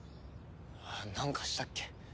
なんかしたっけ？